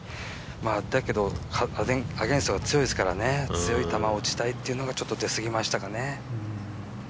だけどアゲンストが強いですから強い球を打ちたいというのがちょっと出すぎましたかね。